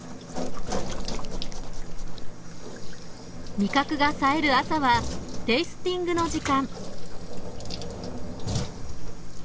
味覚がさえる朝はテイスティングの時間。